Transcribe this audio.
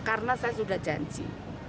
karena saya sudah janji